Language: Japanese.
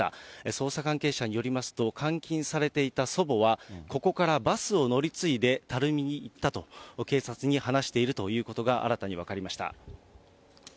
捜査関係者によりますと、監禁されていた祖母は、ここからバスを乗り継いで垂水に行ったと、警察に話しているということが新たに分かりました。